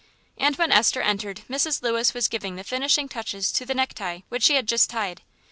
And when Esther entered Mrs. Lewis was giving the finishing touches to the necktie which she had just tied.